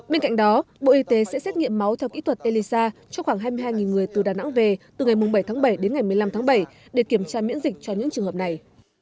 bên cạnh đó bộ y tế sẽ xét nghiệm máu theo kỹ thuật elisa cho khoảng hai mươi hai người từ đà nẵng về từ ngày bảy tháng bảy đến ngày một mươi năm tháng bảy để kiểm tra miễn dịch cho những trường hợp này